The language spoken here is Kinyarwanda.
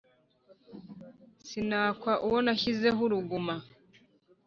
sinakwa uwo nashyizeho uruguma